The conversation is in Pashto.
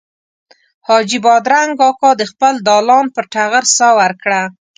حاجي بادرنګ اکا د خپل دالان پر ټغر ساه ورکړه.